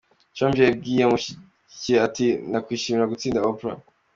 Trump yabwiye abamushyigikiye ati “Nakwishimira gutsinda Oprah.